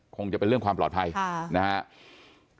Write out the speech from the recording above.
คงจะเป็นเรื่องความปลอดภัยนะครับ